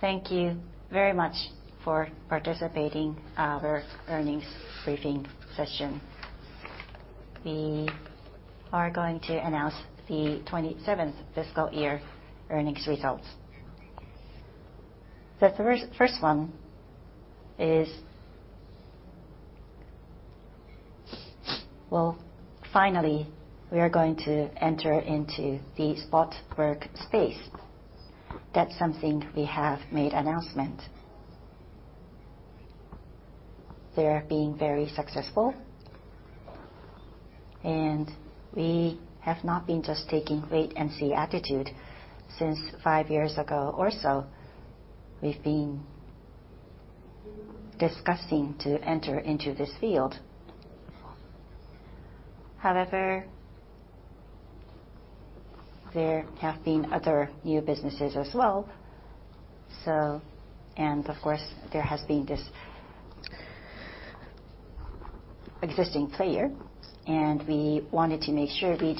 Thank you very much for participating our earnings briefing session. We are going to announce the 27th fiscal year earnings results. The first one is, finally, we are going to enter into the spot work space. That's something we have made announcement. They're being very successful. We have not been just taking wait-and-see attitude. Since five years ago or so, we've been discussing to enter into this field. However, there have been other new businesses as well, so and of course, there has been this existing player, and we wanted to make sure we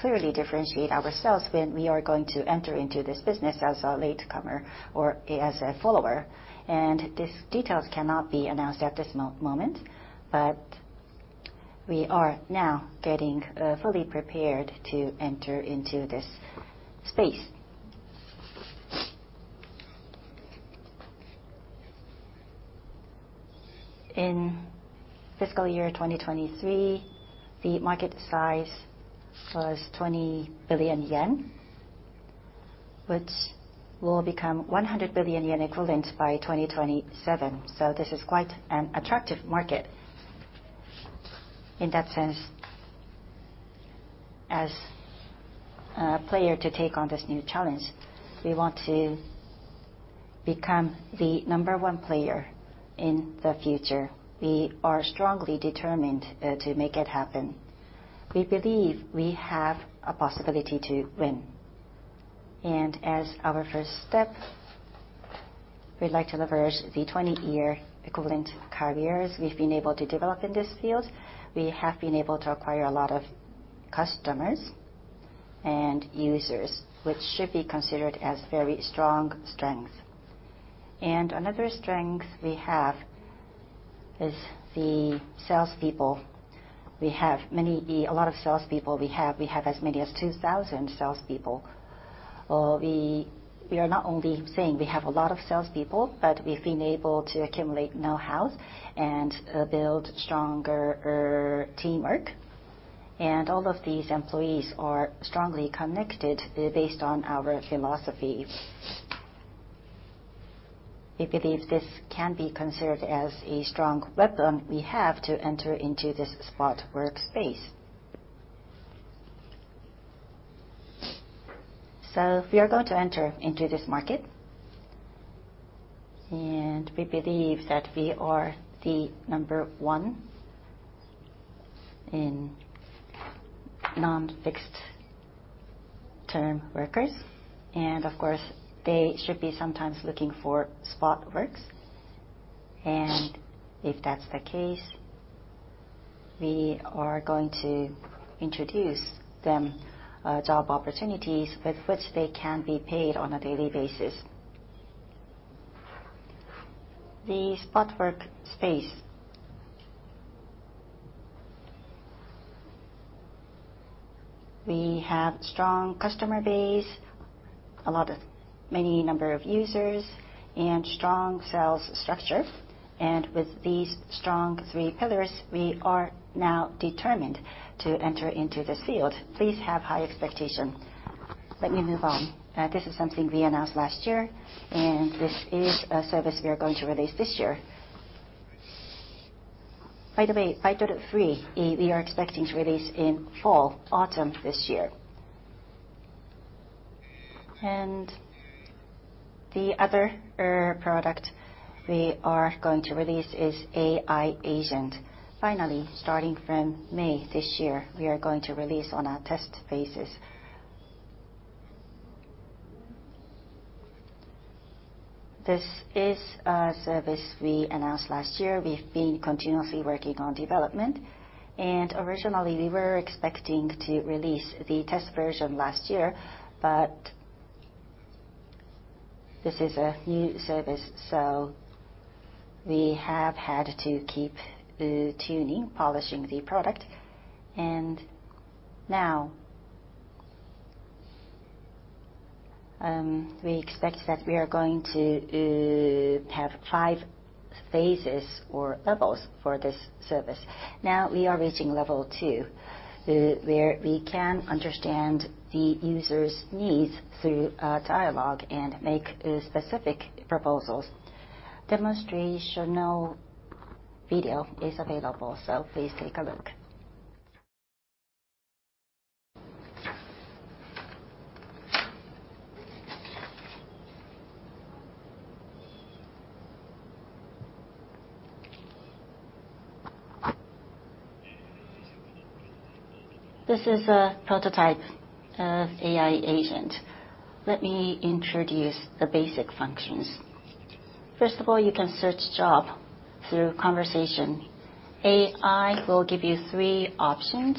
clearly differentiate ourselves when we are going to enter into this business as a latecomer or as a follower. These details cannot be announced at this moment, but we are now getting fully prepared to enter into this space. In fiscal year 2023, the market size was 20 billion yen, which will become 100 billion yen equivalent by 2027. This is quite an attractive market. In that sense, as a player to take on this new challenge, we want to become the number one player in the future. We are strongly determined to make it happen. We believe we have a possibility to win. As our first step, we'd like to leverage the 20-year equivalent careers we've been able to develop in this field. We have been able to acquire a lot of customers and users, which should be considered as very strong strength. Another strength we have is the salespeople. We have many salespeople. We have as many as 2,000 salespeople. We are not only saying we have a lot of salespeople, but we've been able to accumulate know-how and build stronger teamwork. All of these employees are strongly connected based on our philosophy. We believe this can be considered as a strong weapon we have to enter into this spot work space. We are going to enter into this market. We believe that we are the number one in non-fixed term workers. Of course, they should be sometimes looking for spot works. If that's the case, we are going to introduce them job opportunities with which they can be paid on a daily basis. The spot work space. We have strong customer base, a lot of many number of users, and strong sales structure. With these strong three pillars, we are now determined to enter into this field. Please have high expectation. Let me move on. This is something we announced last year. This is a service we are going to release this year. By the way, 5.3, we are expecting to release in fall, autumn this year. The other product we are going to release is AI-Agent. Finally, starting from May this year, we are going to release on a test basis. This is a service we announced last year. We've been continuously working on development. Originally, we were expecting to release the test version last year, but this is a new service, so we have had to keep tuning, polishing the product. Now, we expect that we are going to have five phases or levels for this service. Now we are reaching level two, where we can understand the user's needs through a dialogue and make specific proposals. Demonstrational video is available, please take a look. This is a prototype of AI-Agent. Let me introduce the basic functions. First of all, you can search job through conversation. AI will give you three options,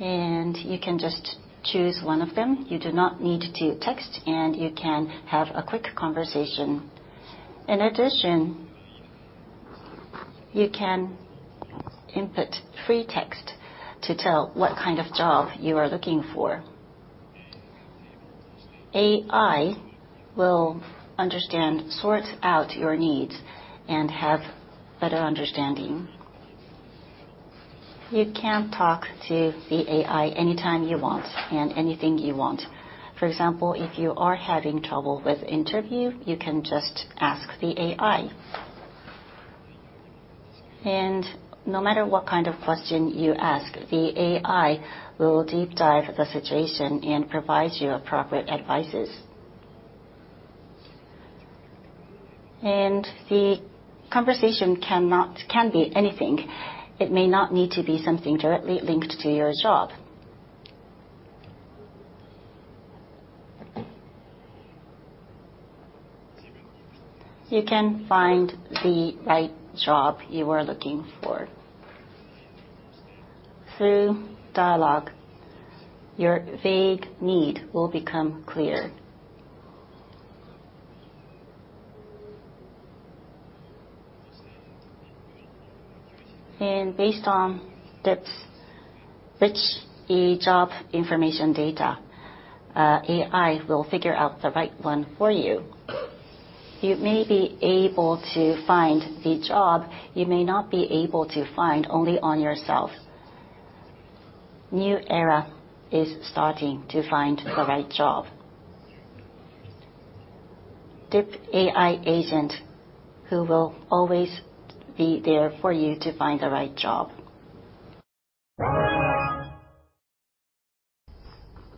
and you can just choose one of them. You do not need to text, and you can have a quick conversation. In addition, you can input free text to tell what kind of job you are looking for. AI will understand, sort out your needs, and have better understanding. You can talk to the AI anytime you want and anything you want. For example, if you are having trouble with interview, you can just ask the AI. No matter what kind of question you ask, the AI will deep dive the situation and provide you appropriate advices. The conversation can be anything. It may not need to be something directly linked to your job. You can find the right job you are looking for. Through dialogue, your vague need will become clear. Based on DIP's rich e-job information data, AI will figure out the right one for you. You may be able to find the job you may not be able to find only on yourself. New era is starting to find the right job. DIP AI-Agent who will always be there for you to find the right job.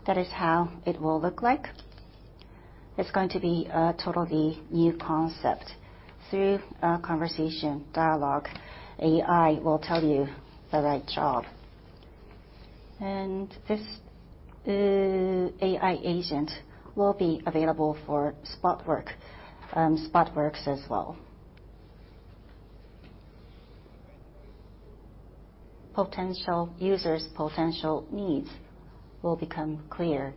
That is how it will look like. It's going to be a totally new concept. Through a conversation dialogue, AI will tell you the right job. This AI-Agent will be available for Spot Baitoru, Spot Works as well. Potential users' potential needs will become clear,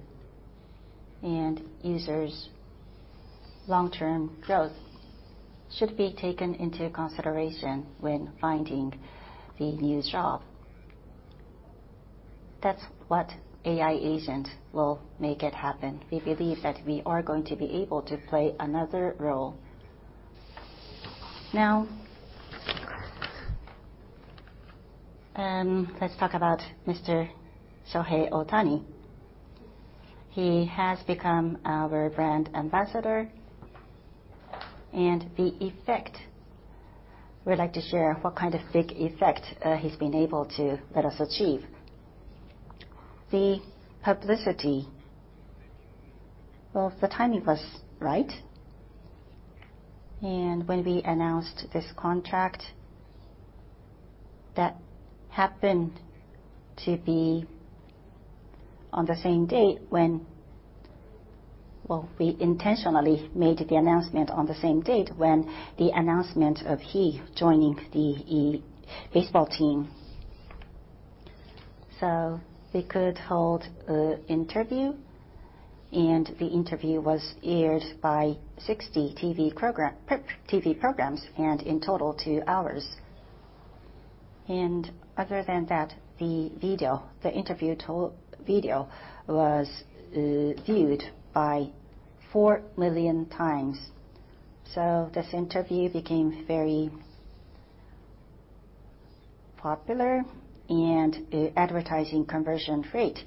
and users' long-term growth should be taken into consideration when finding the new job. That's what AI-Agent will make it happen. We believe that we are going to be able to play another role. Now, let's talk about Mr. Shohei Ohtani. He has become our brand ambassador. We'd like to share what kind of big effect he's been able to let us achieve. The publicity. Well, the timing was right. When we announced this contract that happened to be on the same day. Well, we intentionally made the announcement on the same date when the announcement of he joining the baseball team. We could hold a interview, and the interview was aired by 60 TV programs, and in total two hours. Other than that, the interview video was viewed by 4 million times. This interview became very popular, and the advertising conversion rate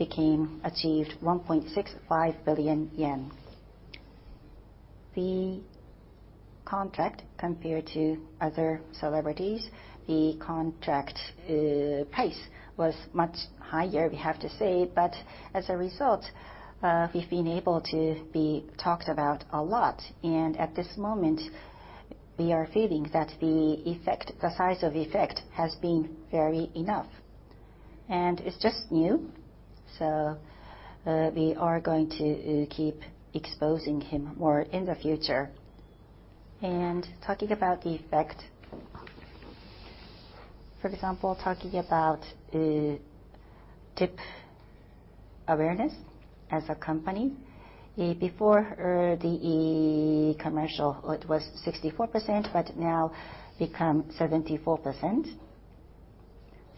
achieved 1.65 billion yen. The contract, compared to other celebrities, the contract price was much higher, we have to say. As a result, we've been able to be talked about a lot. At this moment, we are feeling that the effect, the size of effect has been very enough. It's just new, so we are going to keep exposing him more in the future. Talking about the effect, for example, talking about dip awareness as a company. Before the commercial, it was 64%, now become 74%.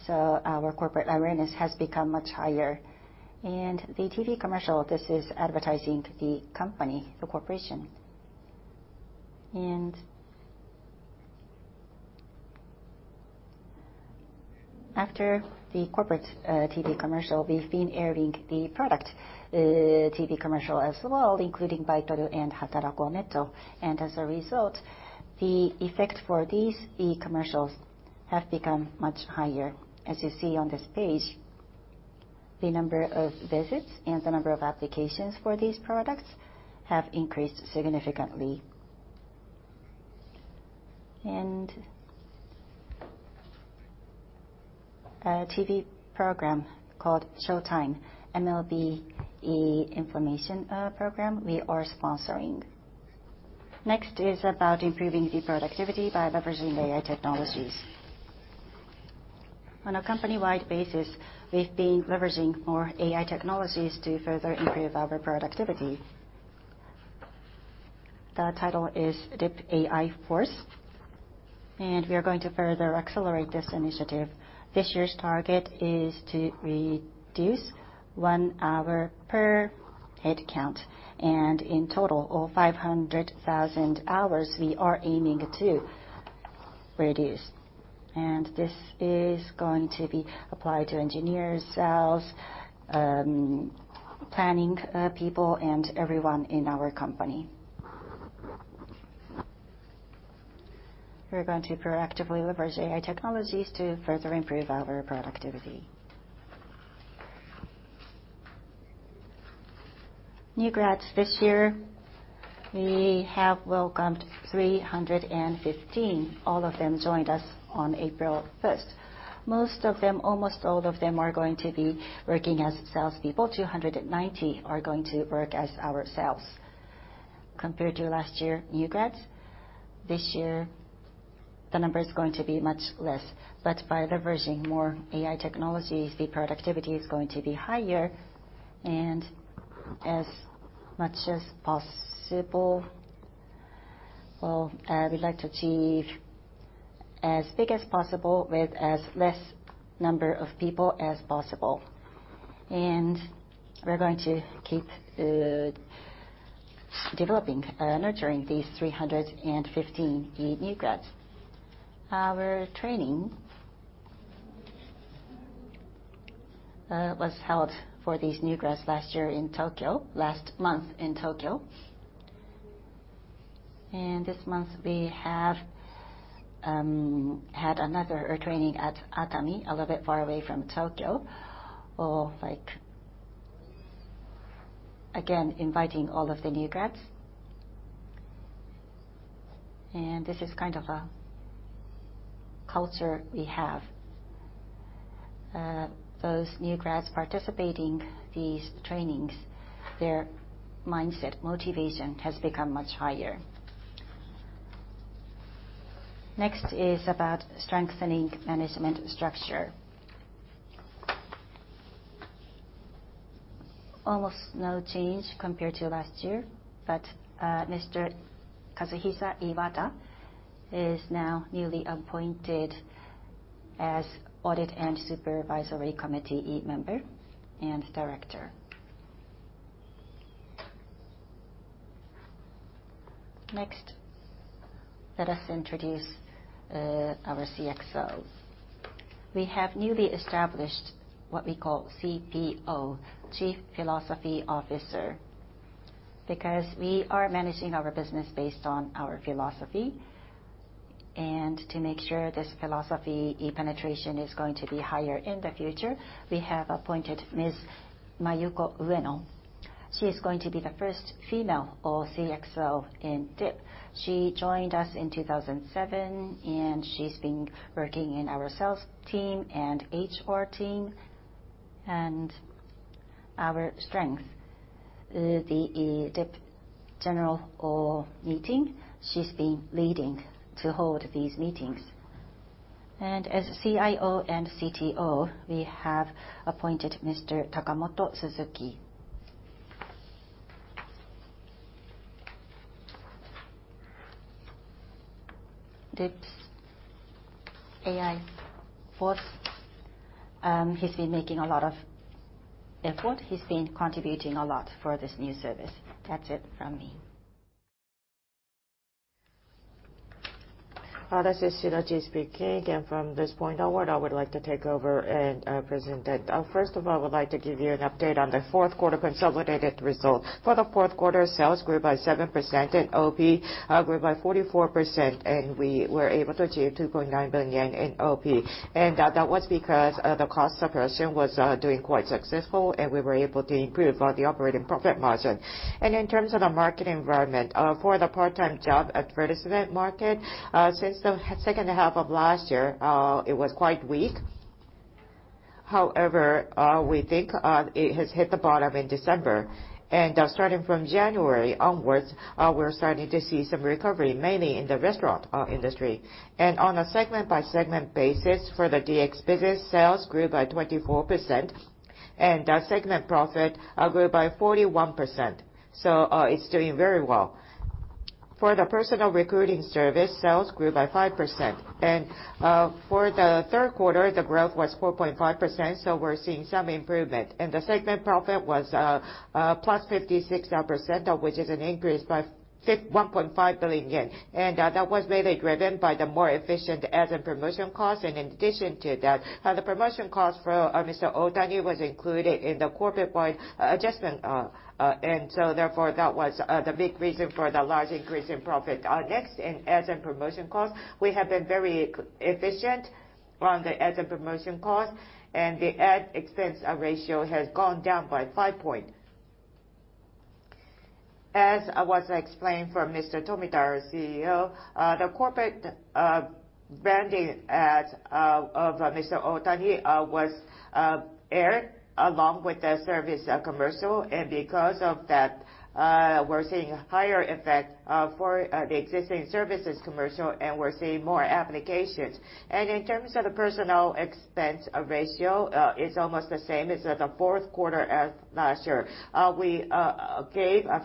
Our corporate awareness has become much higher. The TV commercial, this is advertising the company, the corporation. After the corporate TV commercial, we've been airing the product TV commercial as well, including Baitoru and Hatarako net. As a result, the effect for these e-commercials have become much higher. As you see on this page, the number of visits and the number of applications for these products have increased significantly. A TV program called Showtime, MLB information program we are sponsoring. Next is about improving the productivity by leveraging AI technologies. On a company-wide basis, we've been leveraging more AI technologies to further improve our productivity. The title is DIP AI Force, we are going to further accelerate this initiative. This year's target is to reduce one hour per head count, and in total, or 500,000 hours we are aiming to reduce. This is going to be applied to engineers, sales, planning people, and everyone in our company. We're going to proactively leverage AI technologies to further improve our productivity. New grads this year, we have welcomed 315. All of them joined us on April 1st. Almost all of them are going to be working as salespeople. 290 are going to work as our sales. Compared to last year new grads, this year, the number is going to be much less. By leveraging more AI technologies, the productivity is going to be higher and as much as possible, we'd like to achieve as big as possible with as less number of people as possible. We're going to keep developing, nurturing these 315 new grads. Our training was held for these new grads last year in Tokyo, last month in Tokyo. This month, we have had another training at Atami, a little bit far away from Tokyo, or like, again, inviting all of the new grads. This is kind of a culture we have. Those new grads participating these trainings, their mindset, motivation has become much higher. Next is about strengthening management structure. Almost no change compared to last year, Mr. Kazuhisa Iwata is now newly appointed as Audit and Supervisory Committee Member and Director. Next, let us introduce our CXOs. We have newly established what we call CPO, Chief Philosophy Officer, because we are managing our business based on our philosophy. To make sure this philosophy, the penetration is going to be higher in the future, we have appointed Ms. Mayuko Ueno. She is going to be the first female CXO in dip. She joined us in 2007, and she's been working in our sales team and HR team. Our strength, the dip general or meeting, she's been leading to hold these meetings. As CIO and CTO, we have appointed Mr. Takatomo Suzuki. DIP AI Force, he's been making a lot of effort. He's been contributing a lot for this new service. That's it from me. This is Shidachi speaking. From this point onward, I would like to take over and present it. First of all, I would like to give you an update on the Q4 consolidated results. For the Q4, sales grew by 7% and OP grew by 44%. We were able to achieve 2.9 billion yen in OP. That was because the cost suppression was doing quite successful. We were able to improve on the operating profit margin. In terms of the market environment, for the part-time job advertisement market, since the second half of last year, it was quite weak. However, we think it has hit the bottom in December. Starting from January onwards, we're starting to see some recovery, mainly in the restaurant industry. On a segment-by-segment basis for the DX business, sales grew by 24%, and our segment profit grew by 41%. It's doing very well. For the personal recruiting service, sales grew by 5%. For the Q3, the growth was 4.5%, so we're seeing some improvement. The segment profit was +56%, which is an increase by 1.5 billion yen. That was mainly driven by the more efficient ads and promotion costs. In addition to that, the promotion costs for Mr. Ohtani was included in the corporate-wide adjustment. Therefore, that was the big reason for the large increase in profit. Next, in ads and promotion costs, we have been very efficient on the ads and promotion costs, and the ad expense ratio has gone down by 5 point. As was explained from Mr. Tomita, our CEO, the corporate branding ad of Mr. Ohtani was aired along with the service commercial. Because of that, we're seeing higher effect for the existing services commercial, and we're seeing more applications. In terms of the personnel expense ratio, it's almost the same as the Q4 as last year. We gave a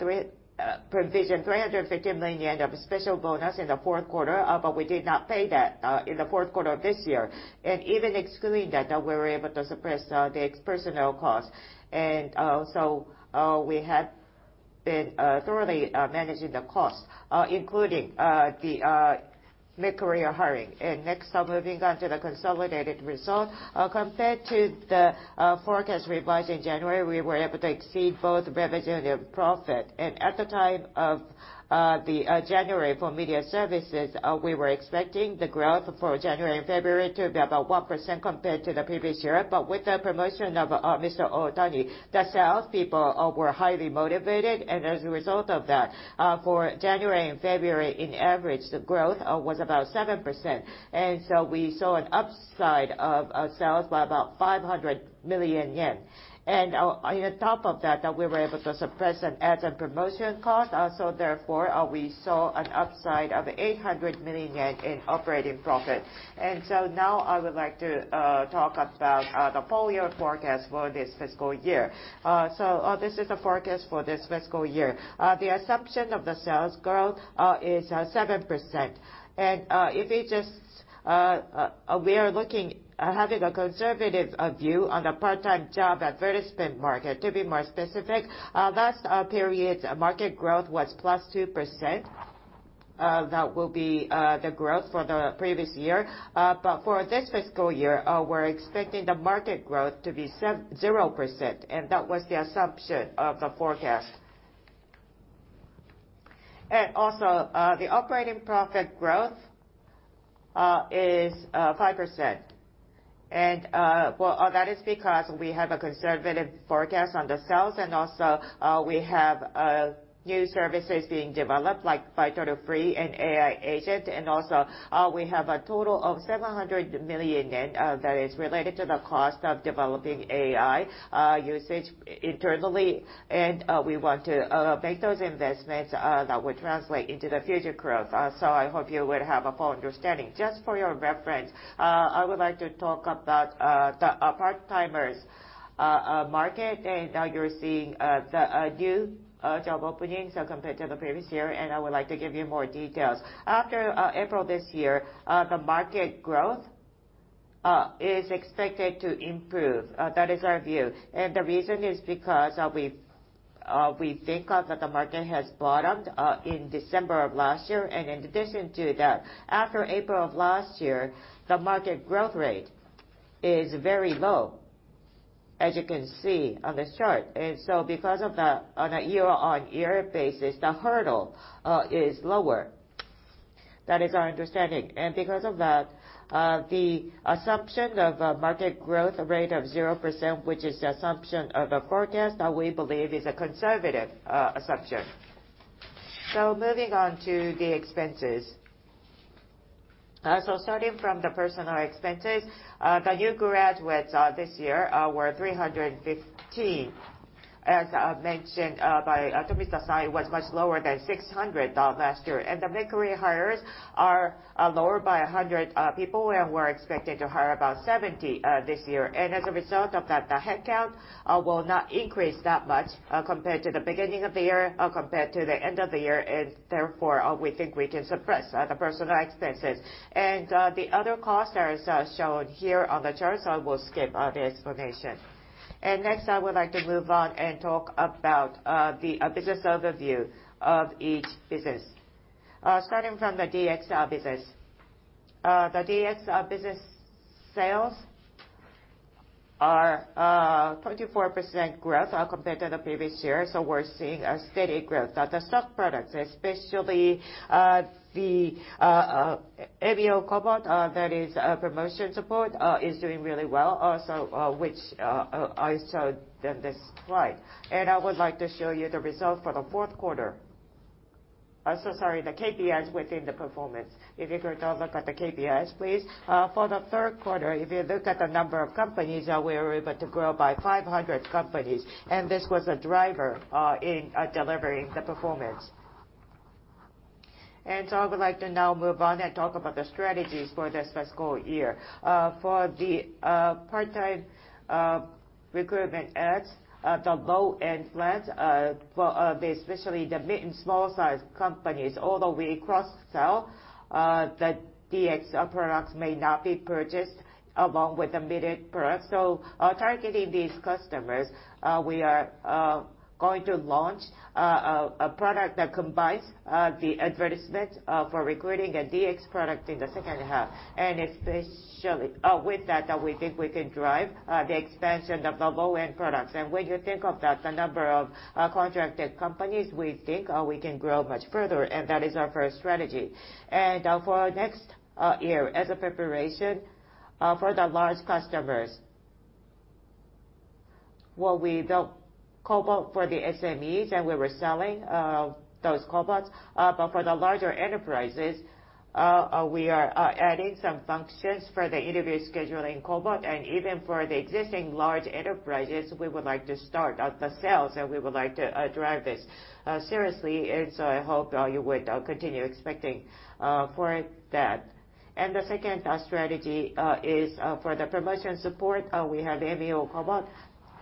provision 350 million yen of special bonus in the Q4, but we did not pay that in the Q4 of this year. Even excluding that, we were able to suppress the personnel costs. So, we have been thoroughly managing the costs, including the mid-career hiring. Next, I'm moving on to the consolidated result. Compared to the forecast revised in January, we were able to exceed both revenue and profit. At the time of the January for media services, we were expecting the growth for January and February to be about 1% compared to the previous year. With the promotion of Mr. Ohtani, the salespeople were highly motivated. As a result of that, for January and February in average, the growth was about 7%. We saw an upside of sales by about 500 million yen. On top of that, we were able to suppress some ads and promotion costs. Therefore, we saw an upside of 800 million yen in operating profit. Now I would like to talk about the full year forecast for this fiscal year. This is the forecast for this fiscal year. The assumption of the sales growth is 7%. We are looking, having a conservative view on the part-time job advertisement market. To be more specific, last period's market growth was +2%. That will be the growth for the previous year. For this fiscal year, we're expecting the market growth to be 0%, and that was the assumption of the forecast. The operating profit growth is 5%. That is because we have a conservative forecast on the sales. We have new services being developed like White Label Free and AI-Agent. We have a total of 700 million yen that is related to the cost of developing AI usage internally. We want to make those investments that will translate into the future growth. I hope you will have a full understanding. Just for your reference, I would like to talk about the part-timers market. You're seeing the new job openings compared to the previous year, and I would like to give you more details. After April this year, the market growth is expected to improve. That is our view. The reason is because we've, we think that the market has bottomed in December of last year. In addition to that, after April of last year, the market growth rate is very low, as you can see on this chart. Because of that, on a year-on-year basis, the hurdle is lower. That is our understanding. Because of that, the assumption of a market growth rate of 0%, which is the assumption of the forecast, we believe is a conservative assumption. Moving on to the expenses. Starting from the personnel expenses, the new graduates this year were 315. As mentioned by Tomita-san, it was much lower than 600 last year. The mid-career hires are lower by 100 people, and we're expected to hire about 70 this year. As a result of that, the headcount will not increase that much compared to the beginning of the year, compared to the end of the year. Therefore, we think we can suppress the personnel expenses. The other costs are shown here on the chart, so I will skip the explanation. Next, I would like to move on and talk about the business overview of each business. Starting from the DX business. The DX business sales are 24% growth compared to the previous year, so we're seeing a steady growth. The sub products, especially, the KOBOT, that is, promotion support, is doing really well. Which I showed in this slide. I would like to show you the results for the Q4. Sorry, the KPIs within the performance. If you could now look at the KPIs, please. For the Q3, if you look at the number of companies, we were able to grow by 500 companies, and this was a driver in delivering the performance. I would like to now move on and talk about the strategies for this fiscal year. For the part-time recruitment ads, the low-end brands, for the especially the mid and small-sized companies, although we cross-sell, the DX products may not be purchased along with the mid-end products. Targeting these customers, we are going to launch a product that combines the advertisement for recruiting a DX product in the H2. Especially, with that, we think we can drive the expansion of the low-end products. When you think of that, the number of contracted companies, we think we can grow much further, and that is our first strategy. For next year, as a preparation, for the large customers. Well, we built KOBOT for the SMEs, and we were selling those KOBOTs. But for the larger enterprises, we are adding some functions for the interview scheduling KOBOT. Even for the existing large enterprises, we would like to start the sales, and we would like to drive this seriously. I hope you would continue expecting for that. The second strategy is for the promotion support, we have MEO KOBOT,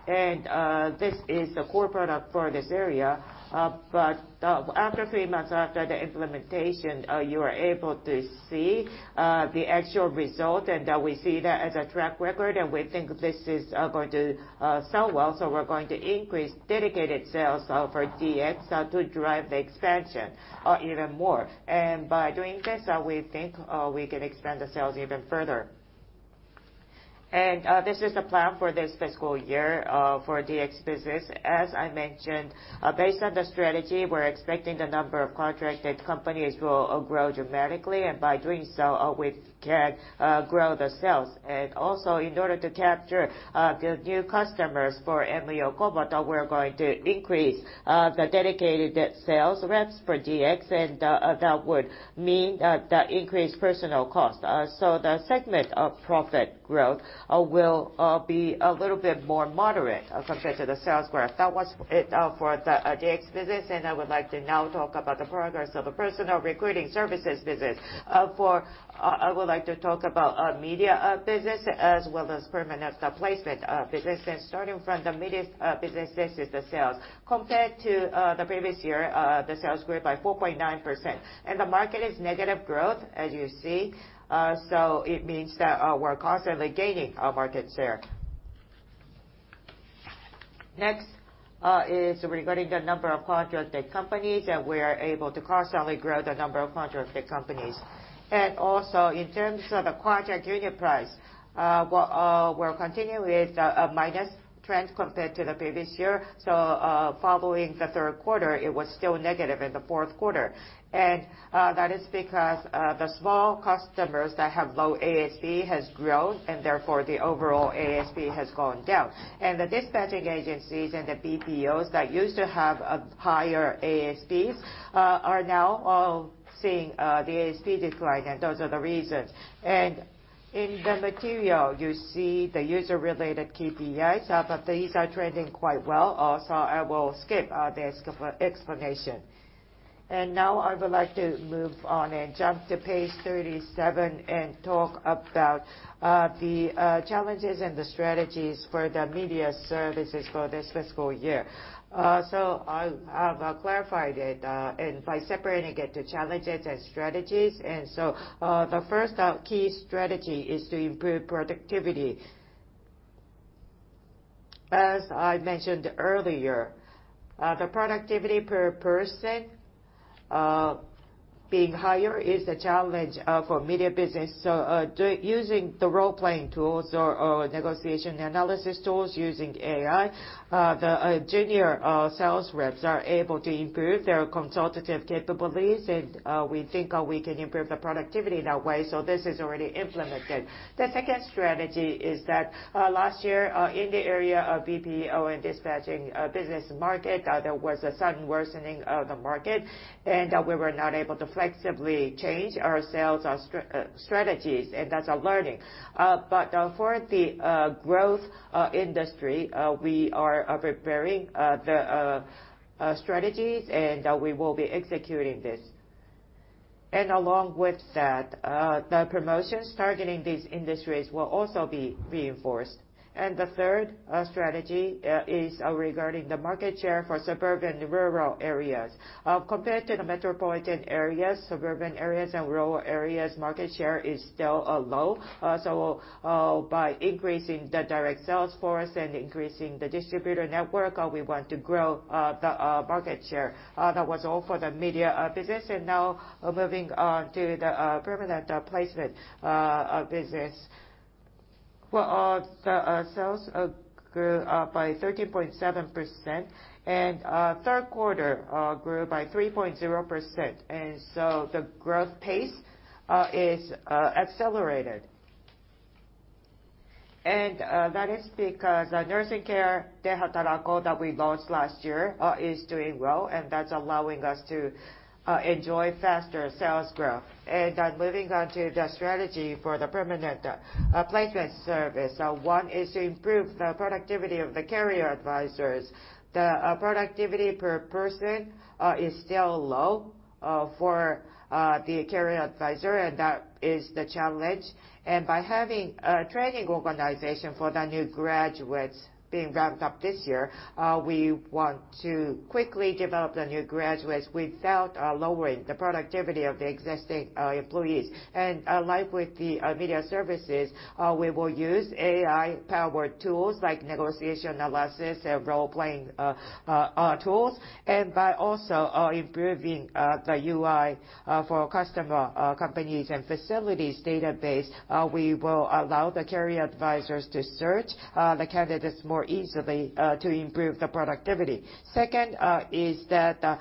and this is the core product for this area. After three months after the implementation, you are able to see the actual result, and we see that as a track record, and we think this is going to sell well. We're going to increase dedicated sales for DX to drive the expansion even more. By doing this, we think we can expand the sales even further. This is the plan for this fiscal year for DX business. As I mentioned, based on the strategy, we're expecting the number of contracted companies will grow dramatically, and by doing so, we can grow the sales. Also, in order to capture the new customers for MEO KOBOT, we're going to increase the dedicated sales reps for DX, and that would mean the increased personal cost. The segment of profit growth will be a little bit more moderate compared to the sales growth. That was it for the DX business, and I would like to now talk about the progress of the personal recruiting services business. I would like to talk about media business as well as permanent placement business. Starting from the media business, this is the sales. Compared to the previous year, the sales grew by 4.9%. The market is negative growth, as you see, so it means that we're constantly gaining our market share. Next is regarding the number of contracted companies, and we are able to constantly grow the number of contracted companies. In terms of the contract unit price, we're continuing with a minus trend compared to the previous year. Following the Q3, it was still negative in the Q4. That is because the small customers that have low ASP has grown, and therefore the overall ASP has gone down. The dispatching agencies and the BPOs that used to have higher ASPs are now seeing the ASP decline, and those are the reasons. In the material, you see the user-related KPIs. These are trending quite well, so I will skip the explanation. Now I would like to move on and jump to page 37 and talk about the challenges and the strategies for the media services for this fiscal year. I have clarified it and by separating it to challenges and strategies. The first key strategy is to improve productivity. As I mentioned earlier, the productivity per person being higher is the challenge for media business. Using the role-playing tools or negotiation analysis tools using AI, the junior sales reps are able to improve their consultative capabilities, and we think we can improve the productivity that way. This is already implemented. The second strategy is that last year, in the area of BPO and dispatching business market, there was a sudden worsening of the market, and we were not able to flexibly change our sales strategies, and that's a learning. For the growth industry, we are preparing the strategies, and we will be executing this. Along with that, the promotions targeting these industries will also be reinforced. The third strategy is regarding the market share for suburban rural areas. Compared to the metropolitan areas, suburban areas and rural areas, market share is still low. By increasing the direct sales force and increasing the distributor network, we want to grow the market share. That was all for the media business. Moving on to the permanent placement business. Well, the sales grew by 13.7%, and Q3 grew by 3.0%. The growth pace is accelerated. That is because nursing care, Kaigo de Hatarako, that we launched last year, is doing well, and that's allowing us to enjoy faster sales growth. Moving on to the strategy for the permanent placement service. One is to improve the productivity of the career advisors. The productivity per person is still low for the career advisor, and that is the challenge. By having a training organization for the new graduates being ramped up this year, we want to quickly develop the new graduates without lowering the productivity of the existing employees. Like with the media services, we will use AI-powered tools like negotiation analysis and role-playing tools. By also improving the UI for customer companies and facilities database, we will allow the career advisors to search the candidates more easily to improve the productivity. Second, is that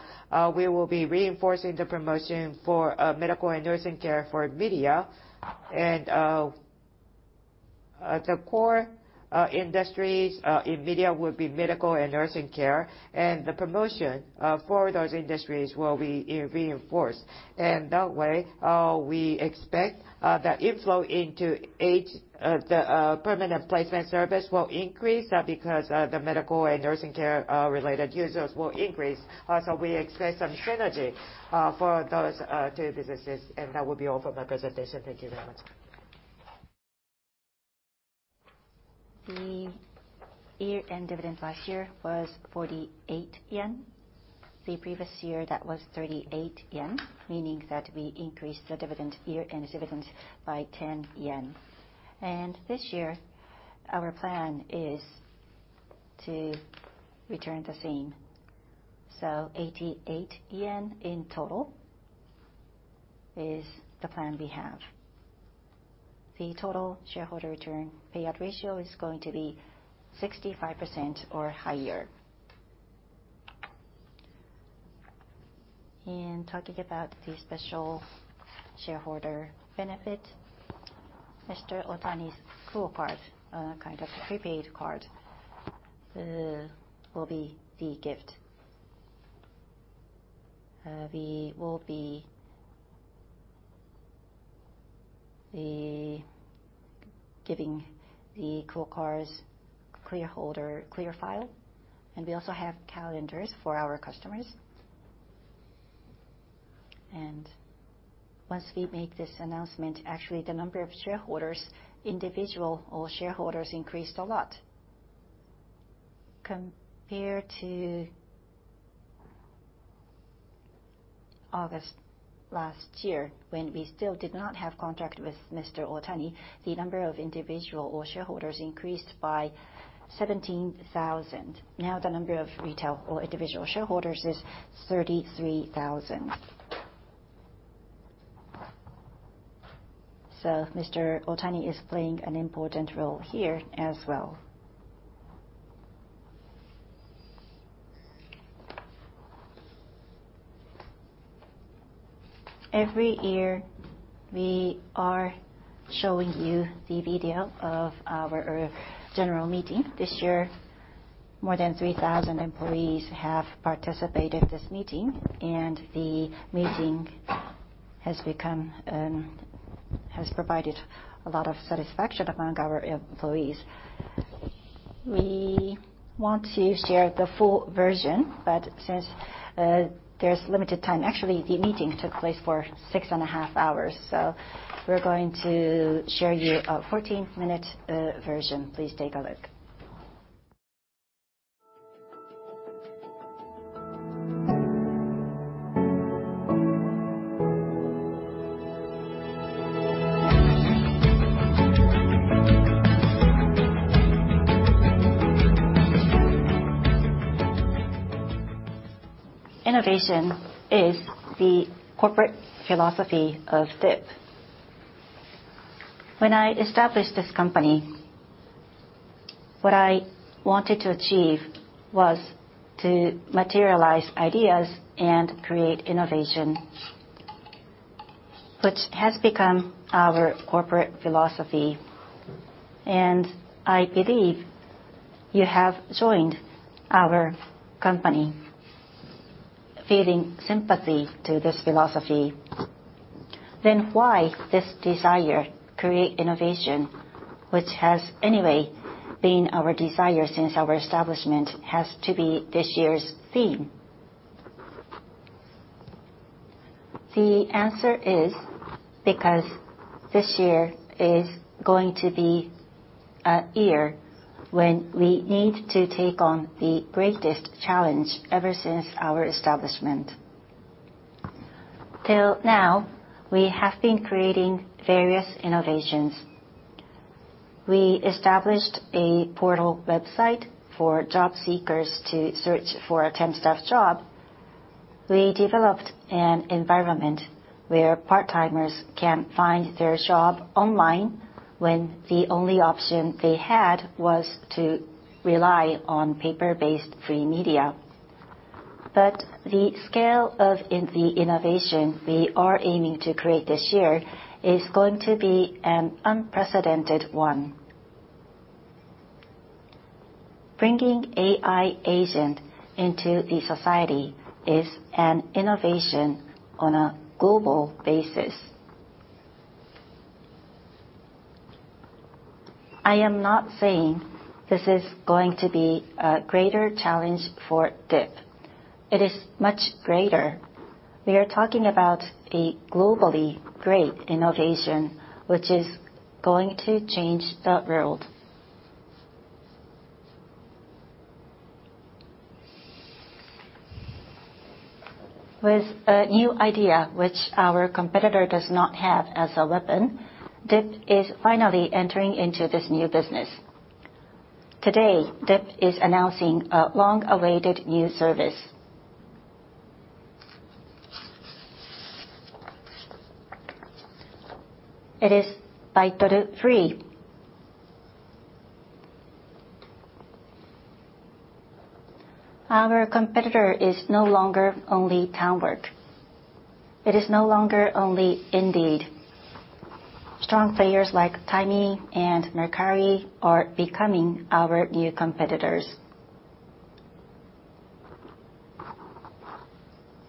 we will be reinforcing the promotion for medical and nursing care for media. The core industries in media would be medical and nursing care, and the promotion for those industries will be re-reinforced. That way, we expect the inflow into the permanent placement service will increase because the medical and nursing care related users will increase. We expect some synergy for those two businesses. That will be all for my presentation. Thank you very much. The year-end dividend last year was 48 yen. The previous year, that was 38 yen, meaning that we increased the year-end dividend by 10 yen. This year, our plan is to return the same. 88 yen in total is the plan we have. The total shareholder return payout ratio is going to be 65% or higher. Talking about the special shareholder benefit, Mr. Ohtani's QUO card, a kind of prepaid card, will be the gift. We will be giving the QUO cards clear holder, clear file, and we also have calendars for our customers. Once we make this announcement, actually, the number of shareholders, individual or shareholders, increased a lot. Compared to August last year, when we still did not have contract with Mr. Ohtani, the number of individual or shareholders increased by 17,000. The number of retail or individual shareholders is 33,000. Mr. Ohtani is playing an important role here as well. Every year, we are showing you the video of our general meeting. This year, more than 3,000 employees have participated this meeting, the meeting has provided a lot of satisfaction among our employees. We want to share the full version, but since there's limited time, actually, the meeting took place for 6.5 hours, so we're going to share you a 14-minute version. Please take a look. Innovation is the corporate philosophy of DIP. When I established this company, what I wanted to achieve was to materialize ideas and create innovation, which has become our corporate philosophy. I believe you have joined our company feeling sympathy to this philosophy. Why this desire, create innovation, which has anyway been our desire since our establishment, has to be this year's theme? The answer is because this year is going to be a year when we need to take on the greatest challenge ever since our establishment. Till now, we have been creating various innovations. We established a portal website for job seekers to search for a temp staff job. We developed an environment where part-timers can find their job online when the only option they had was to rely on paper-based free media. The scale of the innovation we are aiming to create this year is going to be an unprecedented one. Bringing AI-Agent into the society is an innovation on a global basis. I am not saying this is going to be a greater challenge for DIP. It is much greater. We are talking about a globally great innovation which is going to change the world. With a new idea which our competitor does not have as a weapon, DIP is finally entering into this new business. Today, DIP is announcing a long-awaited new service. It is Baitoru Free. Our competitor is no longer only Talent Work. It is no longer only Indeed. Strong players like Timee and Mercari are becoming our new competitors.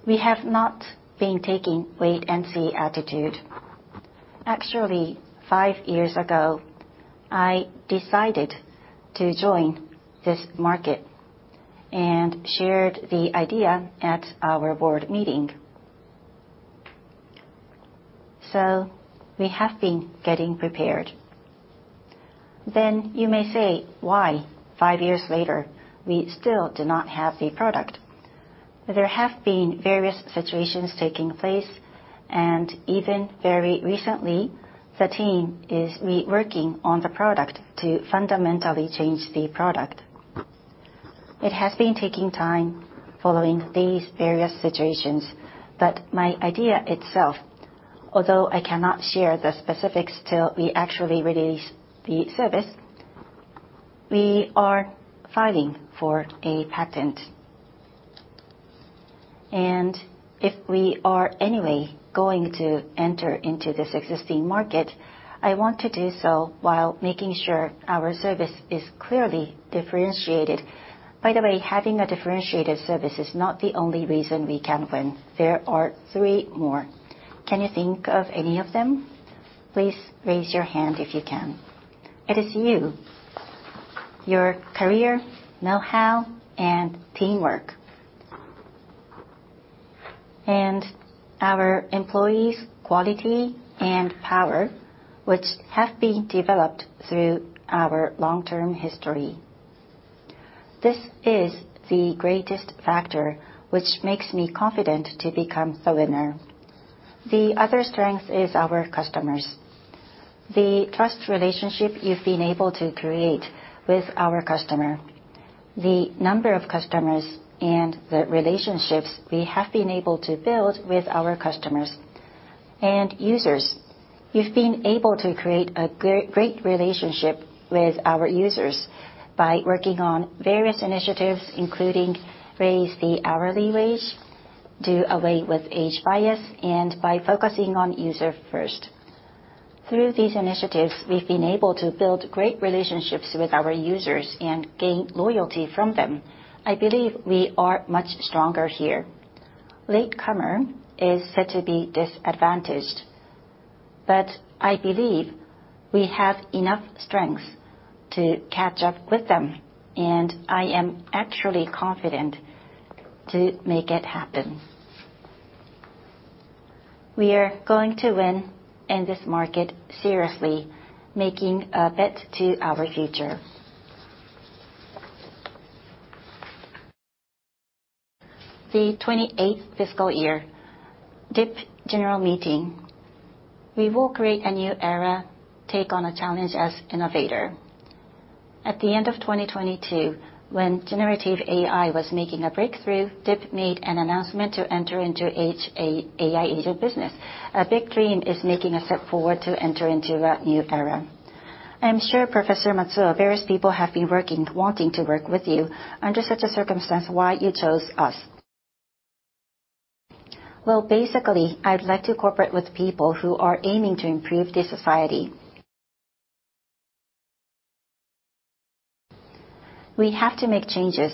We have not been taking wait-and-see attitude. Five years ago, I decided to join this market and shared the idea at our board meeting. We have been getting prepared. You may say, why five years later we still do not have the product? There have been various situations taking place, and even very recently, the team is re-working on the product to fundamentally change the product. It has been taking time following these various situations. My idea itself, although I cannot share the specifics till we actually release the service, we are filing for a patent. If we are any way going to enter into this existing market, I want to do so while making sure our service is clearly differentiated. By the way, having a differentiated service is not the only reason we can win. There are three more. Can you think of any of them? Please raise your hand if you can. It is you. Your career, know-how, and teamwork. Our employees' quality and power, which have been developed through our long-term history. This is the greatest factor which makes me confident to become the winner. The other strength is our customers. The trust relationship you've been able to create with our customer, the number of customers and the relationships we have been able to build with our customers and users. You've been able to create a great relationship with our users by working on various initiatives, including raise the hourly wage, do away with age bias, and by focusing on user first. Through these initiatives, we've been able to build great relationships with our users and gain loyalty from them. I believe we are much stronger here. Latecomer is said to be disadvantaged, but I believe we have enough strength to catch up with them, and I am actually confident to make it happen. We are going to win in this market seriously, making a bet to our future. The 28th fiscal year, DIP General Meeting, we will create a new era, take on a challenge as innovator. At the end of 2022, when generative AI was making a breakthrough, DIP made an announcement to enter into AI-Agent business. A big dream is making a step forward to enter into a new era. I am sure, Professor Matsuo, various people have been wanting to work with you. Under such a circumstance, why you chose us? Well, basically, I'd like to cooperate with people who are aiming to improve the society. We have to make changes.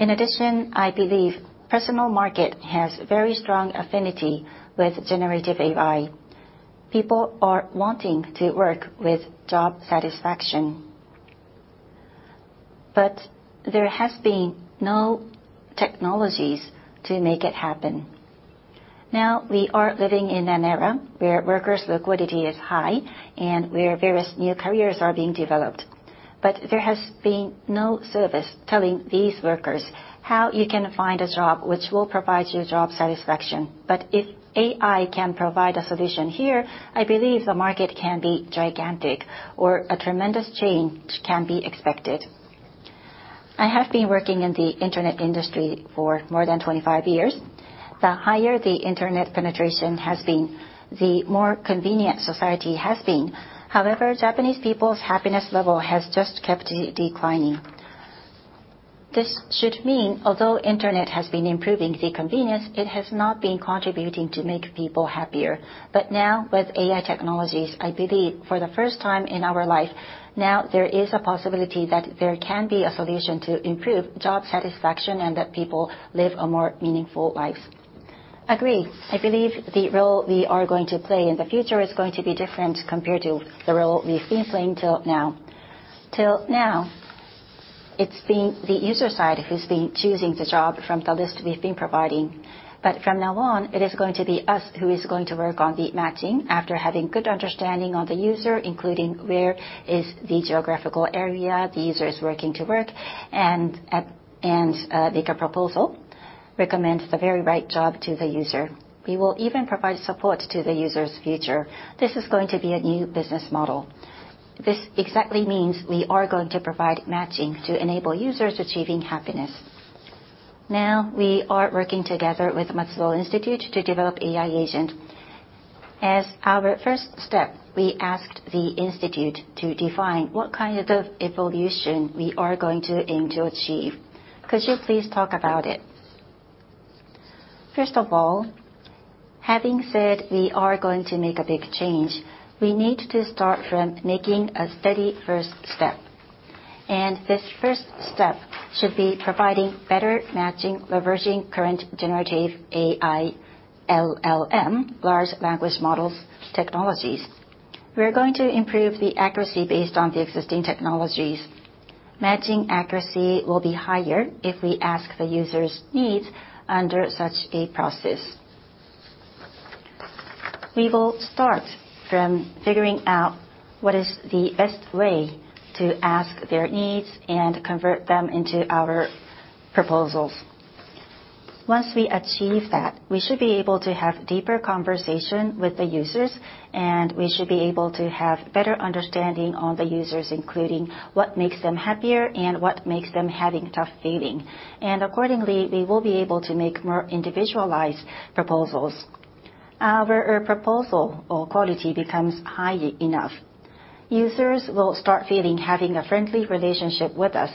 I believe personal market has very strong affinity with generative AI. People are wanting to work with job satisfaction. There has been no technologies to make it happen. Now, we are living in an era where workers' liquidity is high and where various new careers are being developed. There has been no service telling these workers how you can find a job which will provide you job satisfaction. If AI can provide a solution here, I believe the market can be gigantic or a tremendous change can be expected. I have been working in the internet industry for more than 25 years. The higher the internet penetration has been, the more convenient society has been. However, Japanese people's happiness level has just kept declining. This should mean although internet has been improving the convenience, it has not been contributing to make people happier. Now with AI technologies, I believe for the first time in our life, now there is a possibility that there can be a solution to improve job satisfaction and that people live a more meaningful lives. Agree. I believe the role we are going to play in the future is going to be different compared to the role we've been playing till now. Till now, it's been the user side who's been choosing the job from the list we've been providing. But from now on, it is going to be us who is going to work on the matching after having good understanding of the user, including where is the geographical area the user is working to work and make a proposal, recommend the very right job to the user. We will even provide support to the user's future. This is going to be a new business model. This exactly means we are going to provide matching to enable users achieving happiness. Now we are working together with Matsuo Institute to develop AI-Agent. As our first step, we asked the Institute to define what kind of evolution we are going to aim to achieve. Could you please talk about it? First of all, having said we are going to make a big change, we need to start from making a steady first step, and this first step should be providing better matching, leveraging current generative AI LLM, large language models technologies. We are going to improve the accuracy based on the existing technologies. Matching accuracy will be higher if we ask the user's needs under such a process. We will start from figuring out what is the best way to ask their needs and convert them into our proposals. Once we achieve that, we should be able to have deeper conversation with the users, and we should be able to have better understanding on the users, including what makes them happier and what makes them having tough feeling. Accordingly, we will be able to make more individualized proposals. Our proposal or quality becomes high enough. Users will start feeling having a friendly relationship with us.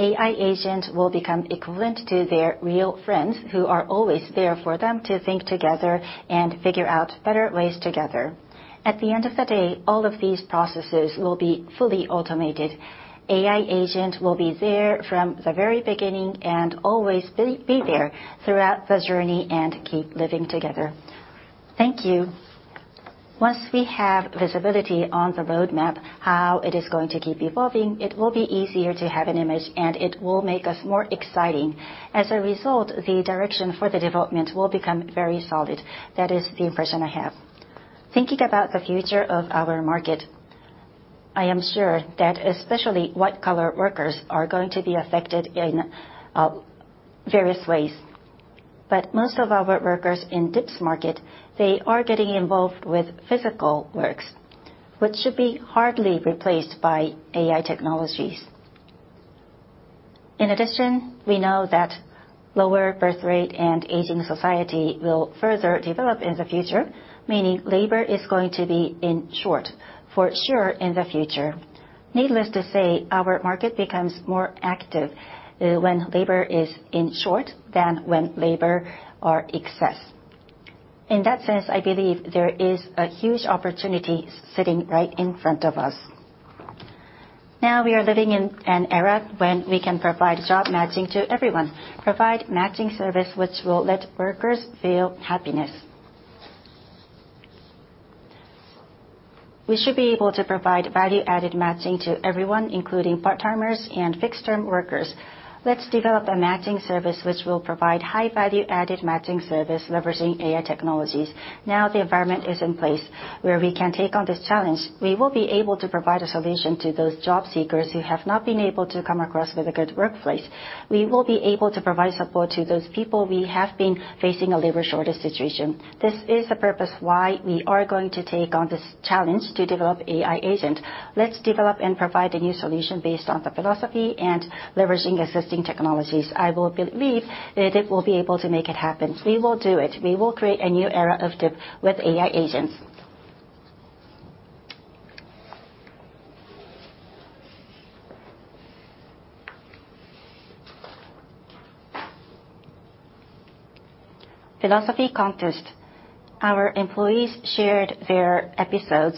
AI-Agent will become equivalent to their real friends who are always there for them to think together and figure out better ways together. At the end of the day, all of these processes will be fully automated. AI-Agent will be there from the very beginning and always be there throughout the journey and keep living together. Thank you. Once we have visibility on the roadmap, how it is going to keep evolving, it will be easier to have an image, and it will make us more exciting. As a result, the direction for the development will become very solid. That is the impression I have. Thinking about the future of our market, I am sure that especially white-collar workers are going to be affected in various ways. Most of our workers in DIP's market, they are getting involved with physical works, which should be hardly replaced by AI technologies. In addition, we know that lower birth rate and aging society will further develop in the future, meaning labor is going to be in short for sure in the future. Needless to say, our market becomes more active when labor is in short than when labor are excess. In that sense, I believe there is a huge opportunity sitting right in front of us. Now we are living in an era when we can provide job matching to everyone, provide matching service which will let workers feel happiness. We should be able to provide value-added matching to everyone, including part-timers and fixed-term workers. Let's develop a matching service which will provide high value-added matching service leveraging AI technologies. Now the environment is in place where we can take on this challenge. We will be able to provide a solution to those job seekers who have not been able to come across with a good workplace. We will be able to provide support to those people we have been facing a labor shortage situation. This is the purpose why we are going to take on this challenge to develop AI-Agent. Let's develop and provide a new solution based on the philosophy and leveraging existing technologies. I will believe that it will be able to make it happen. We will do it. We will create a new era of DIP with AI-Agent. Philosophy contest. Our employees shared their episodes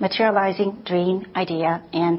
materializing dream, idea.